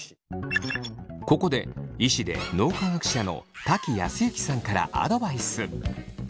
ここで医師で脳科学者の瀧靖之さんからアドバイス。